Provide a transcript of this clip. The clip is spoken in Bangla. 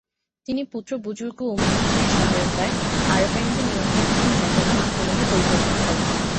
তিনি পুত্র বুযুর্গ উমেদ খান-এর সহায়তায় আরাকানিদের নিয়ন্ত্রণাধীন চট্টগ্রাম আক্রমণের পরিকল্পনা করেন।